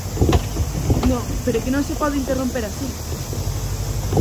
Non, pero é que non se pode interromper así.